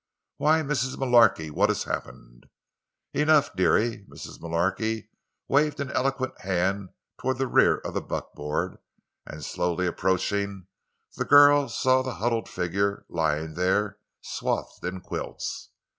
"Why, Mrs. Mullarky, what has happened?" "Enough, deary." Mrs. Mullarky waved an eloquent hand toward the rear of the buckboard, and slowly approaching, the girl saw the huddled figure lying there, swathed in quilts.